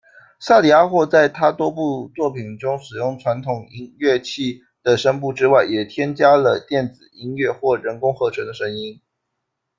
萨里阿霍在她多部作品中使用传统乐器的声部之外也添加了电子音乐或人工合成的声音。